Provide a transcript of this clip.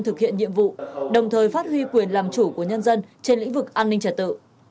thực hiện nhiệm vụ đồng thời phát huy quyền làm chủ của nhân dân trên lĩnh vực an ninh trật tự